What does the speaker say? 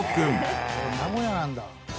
「名古屋なんだ」